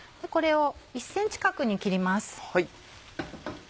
これを１ｃｍ角に切ります。